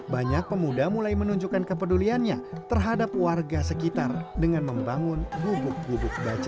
banyak pemuda mulai menunjukkan kepeduliannya terhadap warga sekitar dengan membangun gubuk gubuk baca